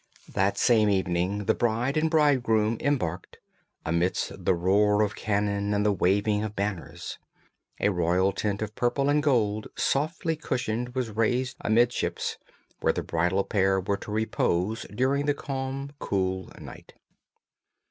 That same evening the bride and bridegroom embarked, amidst the roar of cannon and the waving of banners. A royal tent of purple and gold softly cushioned was raised amidships where the bridal pair were to repose during the calm cool night.